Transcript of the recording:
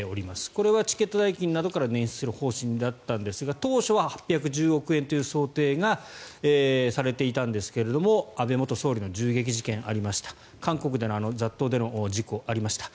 これはチケット代金などから捻出する方針だったんですが当初は８１０億円という想定がされていたんですが安倍元総理の銃撃事件がありました韓国での雑踏での事故ありました。